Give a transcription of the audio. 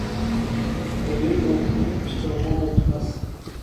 • Qo‘yi yo‘qning pichog‘i o‘tmas.